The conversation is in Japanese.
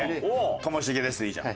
「ともしげです」でいいじゃん。